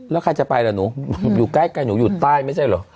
แล้วใครจะไปล่ะหนูอยู่ใกล้หนูอยู่ใต้ไม่ใช่เหรอ